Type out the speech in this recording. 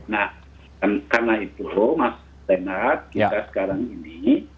nah karena itu mas renat kita sekarang ini